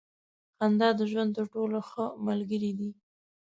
• خندا د ژوند تر ټولو ښه ملګری دی.